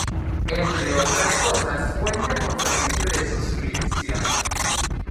Entre otras cosas cuenta con servicio de suscripción.